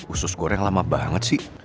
usus goreng lama banget sih